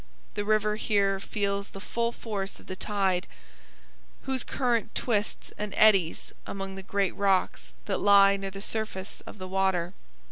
The river here feels the full force of the tide, whose current twists and eddies among the great rocks that lie near the surface of the water.